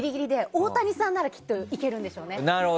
大谷さんならきっといけるんでしょうね。